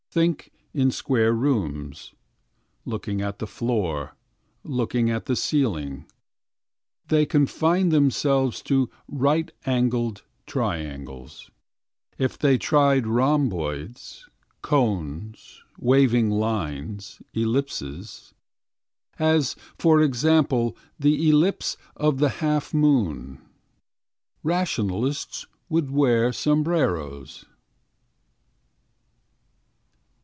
Think, in square rooms. Looking at the floor. Looking at the ceiling. They confine themselves To right angled triangles . If they tried rhomboids. Cones, waving lines, ellipses— As, for example, the ellipse of the half moon— Rationalists would wear sombreros.